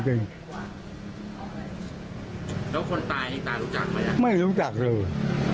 แล้วคนตายนี่ตารู้จักไหมล่ะ